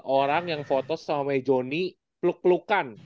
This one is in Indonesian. orang yang foto sama johnny peluk pelukan